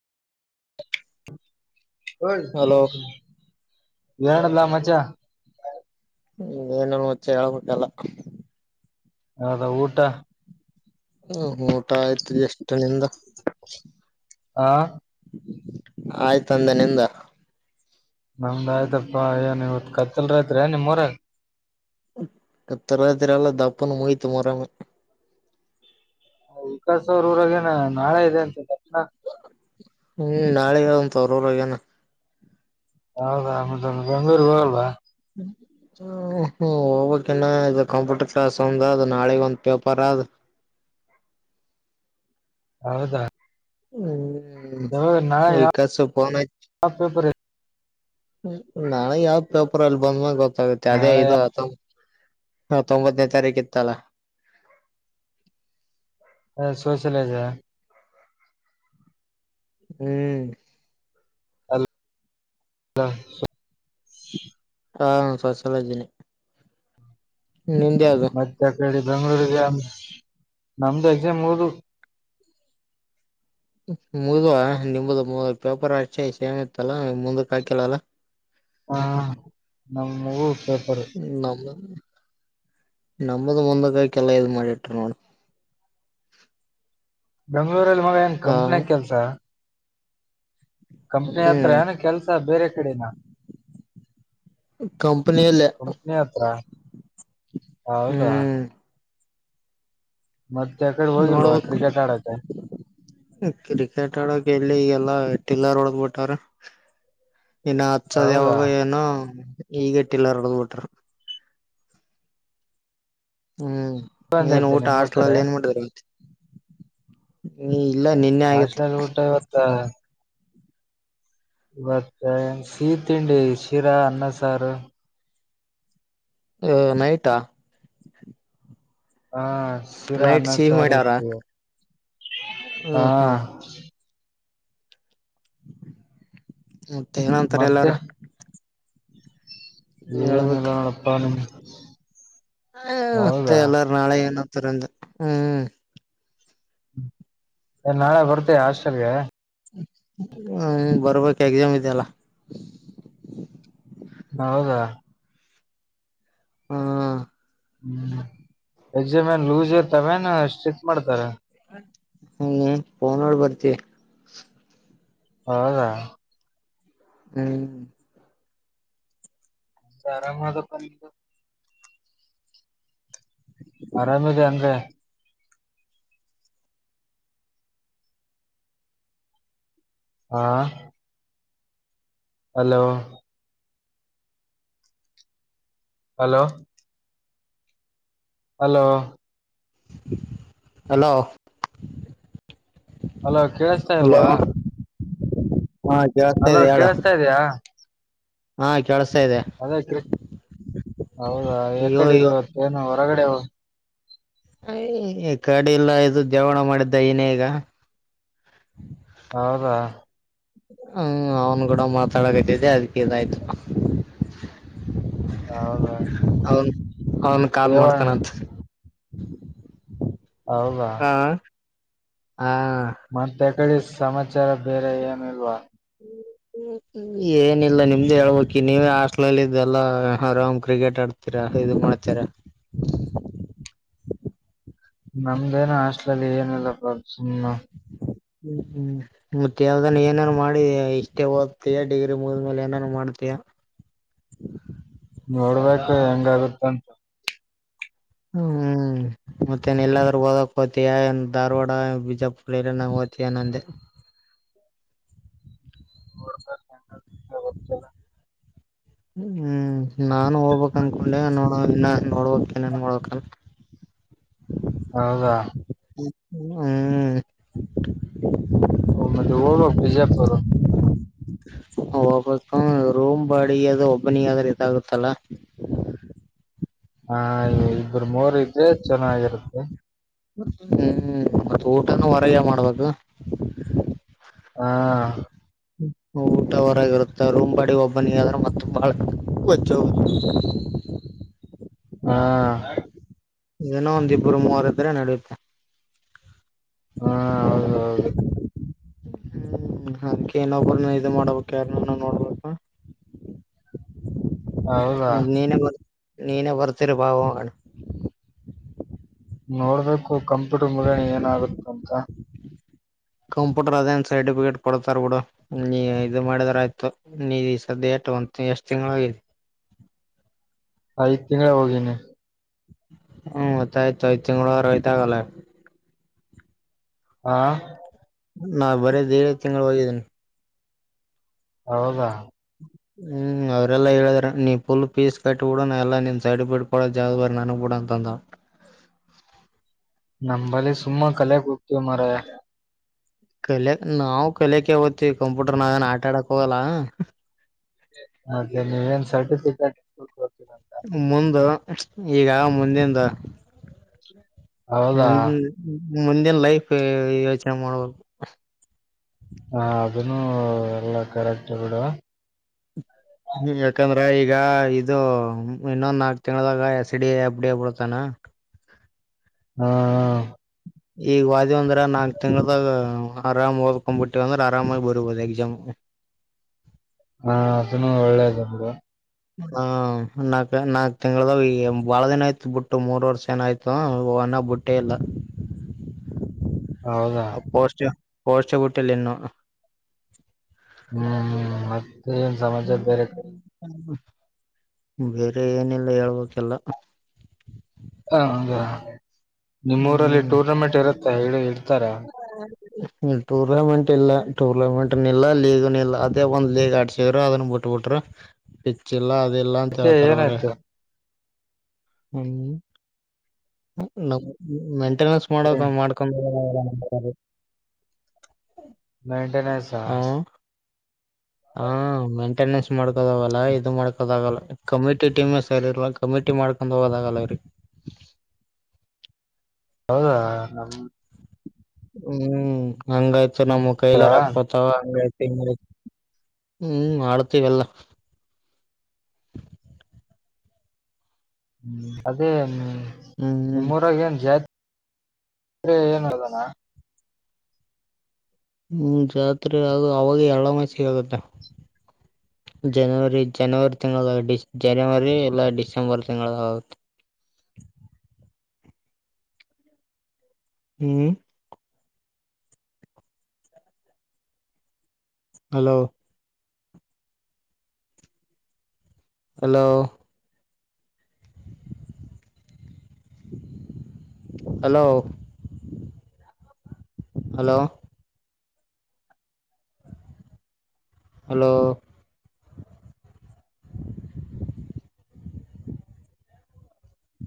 I ಹ hello [unintelligible] [inaudible] ಎರಡಲ್ಲ ಮಜಾ ಏನನು ಮುಚ್ಚೆ ಹೇಳ್ಬೇಕಲ್ಲ ಹೌದ ಊಟ ಹ್ಮ ಊಟ ಆಯ್ತ್ ಎಷ್ಟ ನಿಂದ ಹಾ ಆಯ್ತುಂದ ನಿಂದ ನಮ್ದ ಆಯ್ತಪ್ಪಾ ಏನ್ ಇವತ್ ಕತ್ತಲ್ರೈತ್ರಿ ನಿಮ್ರಾಗ ತ್ರರಾತ್ರಿ ಅಲ್ಲಾ ದಪ್ಪನ್ನು ಮಯತು ಮರಮೆ ವಿಕಾಸ್ ಅವ್ರ ಊರಾಗೇನ ನಾಳೆ ಇದೆ ಅಂತ ಹ್ಮ್ ನಾಳೆಗಂತ ಅವರೋರಗೇನ ಹೌದಾ ಮ ಬೆಂಗಂಗಳೂರಿಗೆ ಹೋಗಲ್ವಾ [inaudible] ಹ ಹ್ಮ ಹೋಗಕನ್ನ ಇದು ಕಂಪ್ಯೂಟರ್ ಕ್ಲಾಸ್ ಒಂದ್ ಅದು್ ನಾಳೆಗ ಒಂದ್ ಪೇಪರ್ ಅದು್ [inaudible] ಹೌದಾ ಹ್ಮ್ ಯಾವಾಗ ನಾಳೆ ವಿಕಾಸ ಪೋನ ಯಾವ ಪೇಪರ್ ಇದೆ? ಹ್ಮ ನಾ ಯಾವ್ ಪೇಪರ್ ಅಲ್ಲಿ ಬಂದ್ಮ್ಯಾಗ ಗೊತ್ತಾಗತ್ತೆ ಅದೇ ನಾಳೆ ಇದು ಆತ ಹಾ ತೊಂಬಂಬತ್ತುನೇ ತಾರಖೆ ತಲ್ಲ ಸೋಷ್ಯಲೈಜ ಹ್ಮ್ ಹ ಹಾ ಸ್ವಸಲ ಇದ್ದೀನಿ ಮತ್ತೆ ಅ ಕಡೆ ಬೆಂಗ್ಗಳೂರಿಗೆ ನಮ್ದು ಎಕ್ಸಾಮ್ ಹಓದು ಮುದ್ುವ ನಿಮ್ದ ಪೇಪರ್ ಹಚೆ ಸೇಮ್ ಇತ್ತಲ್ಲಾ ಮುಂದಕ್ ಹಾಕಿಲ್ಲಲ್ಲಾ ಹಾ ನಮ್ಮಗೂ ಸ ನ ನಮ್ಮದು ಮುಂದಕ್ಕಕಲ್ಲ ಇದ್ ಮಾಡಿಟ್ರ ನೋಡಿ ಬೆಂಗ್ಳೂರಲ್ಲಿ ಮಗ ಏನ್ ಹ ಕಂಪ್ನಿ ಕೆಲ್ಸ ಕಂಪ್ನಿ ಹತ್ರ ಹ್ಮ್ ಏನ ಕೆಲ್ಸ ಬೇರೆ ಕಡೆನ ಕಂಪನಿ ಅಲ್ಲೇ ಕಂಪ್ನಿ ಹತ್ರ ಹೌದಾ ಮತ್ತೆ ಅ ಕಡೆ ಹೋಗಿಲ್ವಾ ನೋಡ್ಬೇಕು ಕ್ರಿಕೆಟ್ ಆಡಕ್ಕೆ ಕ್ರಿಕೆಟ್ ಆಡಕ್ ಎಲ್ಲಿ ಈಗೆಲ್ಲಾ ಟಿಲ್ಲರ್ ಒಡದ ಬಿಿಟಾರ ಇನ್ನು ಹತ್ಸದ್ ಹೌದಾ ಯಾವಾಗ ಏನೋ ಈಗಟ್ಟಿಲ್ಲ ಹಡದ್ ಬಿಟರು ಹ್ಮ್ ಏನ್ ಬಂದೈತೆ ಊಟ ನಿಮ್ಮೂರ್ ಕಡೆ ಆಸ್ಲಲ್ಲಿ ಏನ್ ಮಾಡತಾರ ಇಲ್ಲ ನಿನ್ನೆ ಆಗಿತ್ತು ಹಾಸ್ಟೆಲ್ ಊಟ ಮತ್ತ ಸಿಹ ತಿಂಡಿ ಶಿರಾ ಅನ್ನ ಸಾರು ಹ ನೈಟಾ ಹಾ ಶಿರಾ ನೈಟ್ ನ ಸಿಹಿ ಮಾಡ್ಯಾರ ಸರಿತ್ತು ಹ್ಮ್ ಹಾ ಹ್ಮ್ ಮತ್ತೆ ಏನಂತಾರೆ ಮತ್ತೆ ಎಲ್ಲಾರ ಏನಿಲ್ಲ ನೋಡಪ್ಪಾ ನಿಮ ಹ ಮತ್ತೆ ಎಲ್ಲಾರ ನಾಳೆ ಏನತ್ತರಿಂದ ಹ್ಮ್ ನಾಳೆ ಬರ್ತೀಯ ಹಾಸ್ಟೆಲ್ಗೆ ಹ್ಮ್ ಬರಬರ ಕ ಎಕ್ಜಾಮ ಇದೆಲ್ಲ ಹೌದಾ ಹಾ ಹ್ಮ್ ಎಕ್ಸಮನ್ ಲೂಸ್ ಇರ್ತವನ್ ಸ್ಟ್ರಿಕ್ ಮಾಡ್ತಾರ ಹ್ಮ ೋನ್ೋಡ್ [unintelligible] ಬರ್ತವಿ ಹೌದಾ ಹ್ಮ್ ಎಂತ ಆರಾಮ ಅದಕ್ಕ ಆರಾಮದೆ ಅಂದ್ರೆ ಹಾ hello hello hello hello hello ಕೇಳಸ್ತಾಲ್ವಾ ಹಾ ಜತ ಇದೆ ಹೇಳಳ ಕೇಳಿಸ್ತಾ ಹಾ ಆಗೈತ್ರಿ ಹೌದಾ ಅಯ್ಯೋ ಯಕಡೆ ಅಯ್ಯೋ ಇವತ್ತ ಏನು ಹೊರಗಡೆ ಅಯ ಕಡಿಲ್ಲ ಇದು ಜವಣ ಮಾಡಿದ್ದ ನ ಈಗ ಹೌದಾ ಹ್ಮ ಅವ್ನ್ ಕೂಡ ಮಾತಾಡಕತಿದ್ದೆ ಅದ್ಕ್ಕೆ ಇದಾಯ್ತು ಹೌ ಹೌ ಅವನ್ ಅವನ್ ಕಾಲ್ ಮಾಡ್ತಾನತ್ ಹೌದಾ ಹಾ ಕಳಿ ಸಮಾಚಾರ ಬೇರೆ ಏನಲ್ವಾ ಏನಿಲ್ಲ ನಿಮ್ದು ಹೇಳ್ಬಿ ನೀವೇ ಹಾಸ್ಟ್ಲಲ್ಲಿ ಇದಲ್ಲ ಆರಾಮ್ ಕ್ರಿಕೆಟ್ ಆಡ್ತೀರಾ ಇದು ಮಾಡಚ್ಚಾರ [inaudible] ನಮ್ದೇನ ಹಾಸ್ಟ್ಲಲ್ಲಿ ಏನಿಲ್ಲ ಪ್ರಾಬ್ಸಮ್ ಹ್ಮ್ ಹ್ಮ್ ಮತ್ತೆ ಯಾವ್ದಾನ ಏನಾದಾರ ಮಾಡಿ ಇಷ್ಟೇ ಓದ್ತಯಾ ಡಿಗ್ರಿ ಮುದ್ಮೇಲೆ ಏನಾದಾರ ಮಾಡ್ತ ಆತ [inaudible] [unintelligible] ನೋಡ್ಬೇಕು ಹೆಂಗಗತ್ತಂತ ಹ್ಮ ಮತ್ತೆ ಎಲ್ಲಾದ್ರೂ ಓದಕ್ ಹತಯ ಏನ್ ಧಾರವಾಡ ಬಿಜಾಪುರ್ನ ಓ್ತಯ ನಂದೆ [inaudible] ಚಲ ಹ್ಮ ಹ್ಮ್ ನಾನು ಹೋಗ್ಬೇಕಕ್ ಅನ್ಕೊಂಡೆ ಇ ನೋಡ್ಬೇಕಕ್ನನ್ ನೋಡ್ಕಲ್ ಹೌದಾ ಹ್ಮ್ ಹೌದ್ ಮತ್ತೆ ಹೋಗ್ಬೇಕ್ ಬಿಜಾಪುರ್ ಹ ವಾಪಸ್ ರೋಮ್ ಬಾ ಒಬ್ಬನಿಗಾದರೆ ಗೊತ್ತಾಗುತ್ತಲ್ಲ ಹಾ ಇಬರು ಮೂವರು ಇದ್ರೆ ಚೆನ್ನಾಗಿರುತ್ತೆ ಹ್ಮ್ ಮತ್ತ ಊಟನೂ ಹೊರಯ ಮಾಡುವಾಗ ಹಾ ಊಟ ಹೊರಗಿರುತ್ತೆ ರೂಮ್ ಬಾಡಿಗೆ ಒಬ್ಬನಿಗೆ ಆದರ ಮತ್ತೆ ಬಾಳ ವಜ್ಜಿ ಹೋಗುತ್ತಾ ಹ್ಮ ಏನೋ ಒಂದ ಇಬ್ಬರು ಮೂವರು ಇದ್ರೆ ನಡೆಯುತ್ತೆ ಹಾ ಹೌದ ಹೌದು ಹ್ಮ್ ಅದ್ಕೆ ನೊಬ್ರನ್ನ ಇದು ಮಾಡ್ಬೇಕ ಯಾರ್ನನ ನೋಡ್ಬೇಕ ಹೌದಾ ದ್ ನೀನೇ ಬರ್ ನೀನೇ ಬರ್ತೀರಿ ಬಾ ಹೋಗಣ ನೋಡ್ಬೇಕು ಕಂಪ್ಯೂಟರ್ ಮುಗ್ಯಣ ಏನಾಗುತ್ತ ಅಂತ ಕಂಪ್ಯೂಟರ್ ಅದೇನ್ ಸರ್ಟಿಫಿಕೇಟ್ ಕೊಡ್ತಾರ ಬಿಡು ನೀ ಇದು ಮಾಡಿದರ ಆಯ್ತು ನೀ ಈ ಸದ್ದೆ ಎಷ್ಟ್ ತಿಂಗಗಳ ಹೋಗಿದಿ ಐದ್ ತಿಂಗಳ ಹೋಗಿನಿ ಹ್ಮಮತ್ತ ಆಯ್ತು ಐದ್ ತಿಂಗಳ ರಯತಾಗಲ್ಲ ಹಾ ನಾ ಬರೇ ದಿಡೆ ತಿಂಗಳು ಹೋಗಿದಿನ್ ಹೌದಾ ಹ್ಮ್ ಅವ್ರಲ್ಲಾ ಹೇಳಿದ್ರ ನೀ ಪುಲ್ ಪೀಸ್ ಕಟ್ಟಿ ಬುಡು ನಾ ಎಲ್ಲಾ ನಿನ್ ಸರ್ಟಿಫಿಕೇಟ್ ಕೊಡೊ ಜವಾಬ್ದಾರಿ ನನಗ್ ಬಿಡು ಬಂದಾವ ನಮ್ಮಲ್ಲಿ ಸುಮ್ಮ ಕಲೆ ಕುತ್ತೀವಿ ಮಾರಾಯ ಕಲೆಕ್ ನಾವು ಕಲೆಕ್ಕೆ ಹೋತವಿ ಕಂಪ್ಯೂಟರ್ ನಾವೇನ್ ಆಟಾಡಕ್ ಹೋಗಲ್ಲ ಹಾಗದೆ ನೀವನ್ ಸರ್ಟಿಫಿಕೆಟ್ ಮುಂದ ಈಗ ಮುಂದಿಂದ ಹೌದಾ ಮುಂದಿಂದ್ ಮುಂದಿನ ಲೈಫ್ ಯೋಚನೆ ಮಾಡ್ಬೇಕು ಹ ಅದನ್ನು ಎಲ್ಲಾ ಕರೆಕ್ಟ್ ಬಿಡ ಹ್ಮ ಯಾಕಂದ್ರ ಈಗ ಇದು ಇನ್ನೊಂದ ನಾಕ್ ತಿಂಗಳದಾಗ S D A F D A ಬಿಡ್ತಾನ ಹ ಹ್ಮ ಈಗ ವಾದಿವ್ ಅಂದ್ರ ನಾಕ್ ತಿಂಗಳದಾಗ ಆರಾಮ್ ಹೋದ್ಕೋಮ್ಬಿಟ್ಟಿವ ಅಂದ್ರ ಆರಾಮಾಗಿ ಬರಿಬಹುದು ಎಕ್ಸಾಮ್ ಹಾ ಅದನ್ನು ಒಳ್ಳೇದು ಹ ನಾಕ್ ನಾಕ್ ತಿಂಗಳದಾಗ್ ಬಾಳ ದಿನ ಆಯ್ತ ಬಿಟ್ಟು ಮೂರ್ ವರ್ಷ ಏನಾಯಯ್ತು ಇನಾ ಬುಟ್ಟೆಯಿಲ್ಲ [inaudible] ಹೌದಾ ಆ ಪೋಸ್ಟ್ ಪೋಸ್ಟೇ ಬುಟ್ಟೆಯಿಲ್ಲ ಇನ್ನು ಹ್ಮ್ ಏನ್ ಸಮಾಚಾರ ಬೇರೆ ಕಡೆ ಹ್ಮ್ ಬೇರೆ ಏನಿಲ್ಲ ಹೇಳ್ಬೇಕೆಲ್ಲ ಹ ಹಂಗಾ ನಿಮ್ಮೂರಲ್ಲಿ ಹ್ಮ್ ಟೂರ್ನಮೆಂಟ್ ಇರುತ್ತೆ ಹೇಲಿ ಇಡ್ತಾರೆ ಇಲ್ ಟೂರ್ನಮೆಂಟ್ ಇಲ್ಲ ಟೂರ್ನಮೆಂಟ್ನ್ ಇಲ್ಲ ಲೀಗ್ನ್ ಇಲ್ಲ ಅದೇ ಒಂದ್ ಲೀಗ್ ಆಡ್ಸಿದ್ರು ಅದನ್ ಬಿಟ್ಟ ಬಿಟ್ರ ಪಿಚ್ಚ ಇಲ್ಲ ಅದು ಅದೆಲ್ಲಾ ಅಂತ ಯಾಕೆ ಹೇಳ್ತಾರೆ ಬರೆ ಏನಾಯ್ತು ಹ್ಮ್ ಮೇಂಟೆನೆನ್ಸ್ ಮಾಡ ಮಾಡ್ಕೊಂಡ ಮೇಂಟೆನೆನ್ಸ್ ಹಾ [inaudible] ಹ ಮೇಂಟೆನೆನ್ಸ್ ಮಾಡ್ಕೋದಾಗಲ್ಲ ಇದು ಮಾಡ್ಕೋದಾಗಲ್ಲ ಕಮಿಟಿ ಟೀಮ್ ಸರಿ ಇಲ್ಲ ಕಮಿಟಿ ಮಾಡ ಕೊಂಡ ತ ಹೋದಾಗಲ್ರರಿಗೆ [unintelligible] [inaudible] ಹೌದಾ ಆ ನಮ್ ಹ್ಮ್ ಹಂಗಾಯ್ತು ನಮ್ಮ್ ಕೈಲೆ ರೋಕ್ಕ್ ಹ್ಮ್ ಹೋತವ ಹಂಗಾಯ್ತ ಹ್ಮ್ ಮಾಡ್ತೀವೆಲ್ಲ [inaudible] ಹ್ಮ್ ಅದೇಮ ಹ್ಮ್ ಹ್ಮ್ ನಿಮ್ಮೂರಾಗ ಏನ್ ಜಾತಿ [unintelligible] ಏನ್ ಹೇಳುದಣ ಹ್ಮ್ ಜಾತ್ರೆ ಅದು ಅವಾಗ ಅಳಮಸ ಆಗತ್ತೆ [inaudible] ಜನವರಿ ಜನವರಿ ತಿಂಗಳಗಾಗ ಜನವರಿ ಇಲ್ಲ ಡಿಸೆಂಬರ್ ತಿಂಗಳಗಾಗುತ್ತೆ [inaudible] ಹ್ಮ್ hello hello hello hello hello